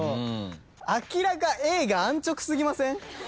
明らかＡが安直すぎません？